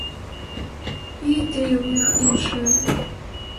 І ідэя ў іх іншая!